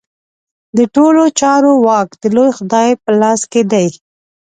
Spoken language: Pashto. د ټولو چارو واک د لوی خدای په لاس کې دی.